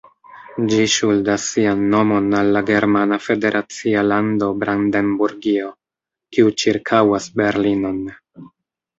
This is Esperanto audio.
Ĝi ŝuldas sian nomon al la germana federacia lando Brandenburgio, kiu ĉirkaŭas Berlinon.